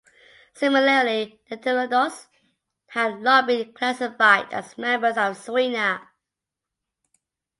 Similarly, the entelodonts had long been classified as members of Suina.